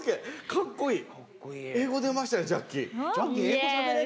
かっこいい。